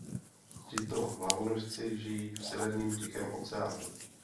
Tito hlavonožci žijí v severním Tichém oceánu.